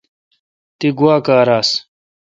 تی گوا کار آس۔